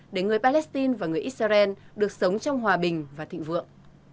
để người palestine và người israel được sống trong hòa bình và thịnh vượng